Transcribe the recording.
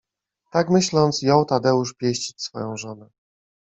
Tak myśląc, jął Tadeusz pieścić swoją żonę.